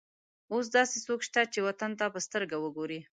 اوس داسې څوک شته چې وطن ته په سترګه وګوري.